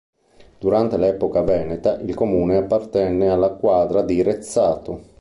Durante l'epoca veneta, il comune appartenne alla quadra di Rezzato.